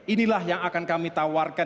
inilah yang akan kami tawarkan